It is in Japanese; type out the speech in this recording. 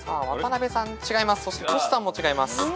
渡辺さん違います。